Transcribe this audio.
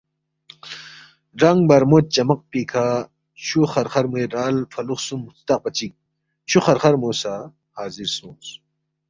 رنگ برمو چمق پیکھہ چھُو خرخرموے رال فلُو خسُوم سترقپا چِک چھُو خرخرمو سہ حاضر سونگس